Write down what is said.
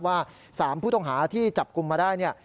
ว่า๓ผู้ต้องหาที่จับกลุ่มมาได้เนี่ย